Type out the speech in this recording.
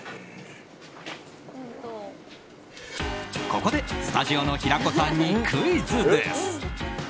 ここでスタジオの平子さんにクイズです。